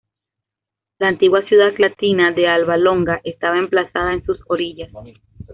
La antigua ciudad latina de Alba Longa estaba emplazada en sus orillas.